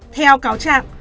theo cáo trạng